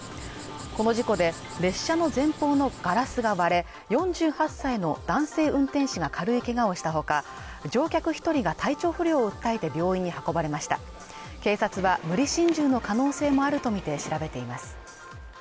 この事故で列車の前方のガラスが割れ４８歳の男性運転士が軽いけがをしたほか乗客一人が体調不良を訴えて病院に運ばれました警察は無理心中の可能性もあるとみて調べています